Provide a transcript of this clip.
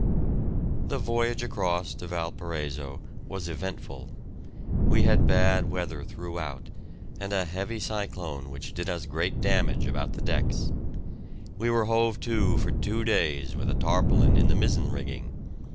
The voyage across to Valparaiso was eventful. We had bad weather throughout, and a heavy cyclone which did us great damage about the decks. We were hove to for two days with a tarpaulin in the mizzen rigging.